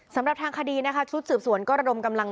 สำหรับทางคดีนะคะชุดสืบสวนก็ระดมกำลัง